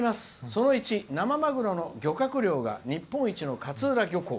その１、生マグロの漁獲量が日本一の勝浦漁港」。